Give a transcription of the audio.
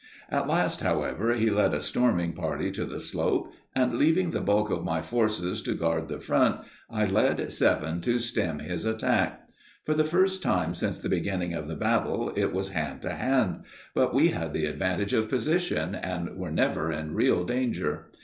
At last, however, he led a storming party to the slope, and, leaving the bulk of my forces to guard the front, I led seven to stem his attack. For the first time since the beginning of the battle, it was hand to hand; but we had the advantage of position, and were never in real danger.